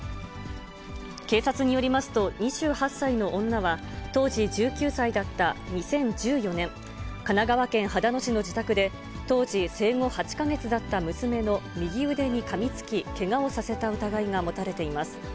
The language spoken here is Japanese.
警察によりますと、２８歳の女は、当時１９歳だった２０１４年、神奈川県秦野市の自宅で、当時生後８か月だった娘の右腕にかみつき、けがをさせた疑いが持たれています。